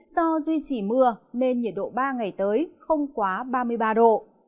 do duy trì mưa nên nhiệt độ ba ngày tới không quá ba mươi ba độ